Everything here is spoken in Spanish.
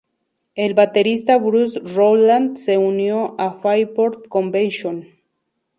El baterista Bruce Rowland se unió a Fairport Convention.